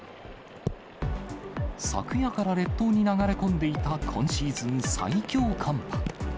昨夜から列島に流れ込んでいた今シーズン最強寒波。